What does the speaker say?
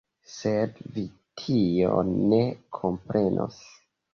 Sed vi tion ne komprenos.